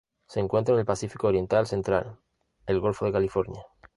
Se encuentra en el Pacífico oriental central: el Golfo de California.